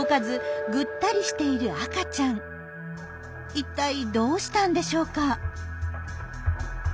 一体どうしたんでしょうか？